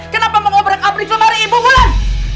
kenapa mengobrak aplikasi ibu hulan